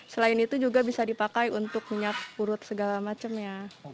selain itu juga bisa dipakai untuk minyak purut segala macem ya